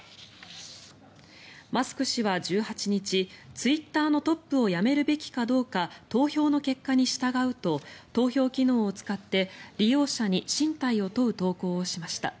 マスク氏は１８日、ツイッターのトップを辞めるべきかどうか投票の結果に従うと投票機能を使って利用者に進退を問う投稿をしました。